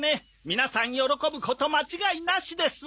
皆さん喜ぶこと間違いなしです！